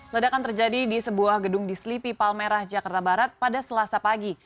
ledakan terjadi di sebuah gedung di selipi palmerah jakarta barat pada selasa pagi